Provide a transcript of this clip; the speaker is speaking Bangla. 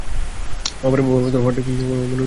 ওহ, আমার হটডগ খেতে সেই মজা লাগে।